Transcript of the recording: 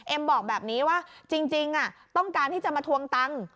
บอกแบบนี้ว่าจริงต้องการที่จะมาทวงตังค์